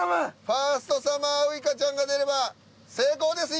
ファーストサマーウイカちゃんが出れば成功です。